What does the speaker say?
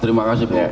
terima kasih ibu